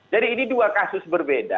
jadi ini dua kasus berbeda